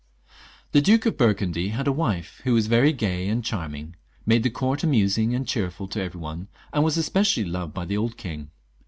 The Duke of Burgundy had a wife who was very gay and charming, made the court amusing and cheerful to every one, and was specially loved by the old king.